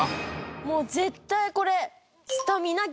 もう絶対これ。